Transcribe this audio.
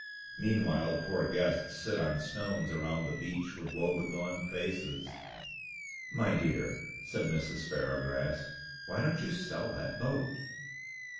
Meanwhile the poor guests sit on stones around the beach with woe begone faces. "My dear," said Mrs. Sparrowgrass, "why don't you sell that boat?"